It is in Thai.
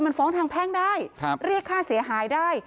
มันฟ้องทางแพ่งได้เรียกค่าเสียหายได้